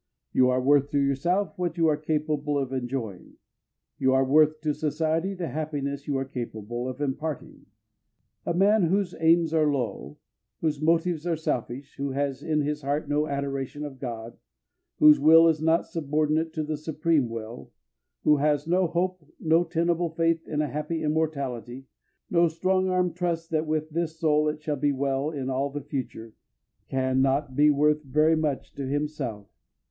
You are worth to yourself what you are capable of enjoying, you are worth to society the happiness you are capable of imparting. A man whose aims are low, whose motives are selfish, who has in his heart no adoration of God, whose will is not subordinate to the supreme will, who has no hope, no tenable faith in a happy immortality, no strong armed trust that with his soul it shall be well in all the future, can not be worth very much to himself.